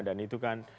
dan itu kan